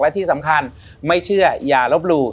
และที่สำคัญไม่เชื่ออย่าลบหลู่